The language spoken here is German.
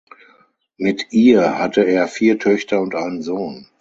Mit ihr hatte er vier Töchter und einen Sohn.